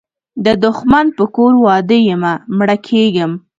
د دښمن په کور واده یمه مړه کیږم